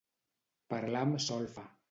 Parlar amb solfa.